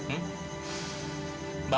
uang jumlah yang banyak